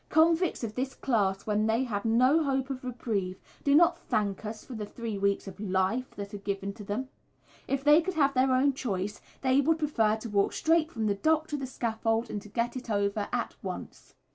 Convicts of this class, when they have no hope of reprieve, do not thank us for the three weeks of "life" that are given to them. If they could have their own choice, they would prefer to walk straight from the dock to the scaffold, and to "get it over" at once.